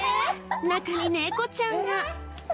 中に猫ちゃんが！？